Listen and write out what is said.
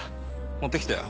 持ってきたよ。